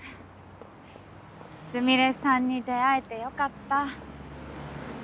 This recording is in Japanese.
スミレさんに出会えてよかった。